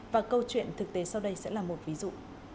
và câu chuyện thực tế sau đây sẽ là một ví dụ